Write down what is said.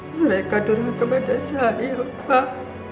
mereka dorong kepada saya pak